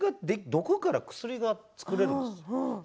毒から薬が作れるんですよ。